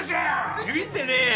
ビビってねえよ。